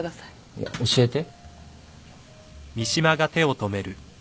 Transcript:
いや教えて。